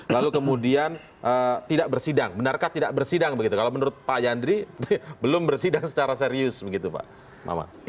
lalu kemudian tidak bersidang benarkah tidak bersidang begitu kalau menurut pak yandri belum bersidang secara serius begitu pak mama